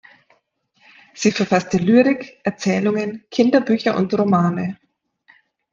Sie verfasste Lyrik, Erzählungen, Kinderbücher und Romane.